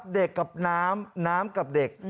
เด็กกับน้ำน้ำกับเด็ก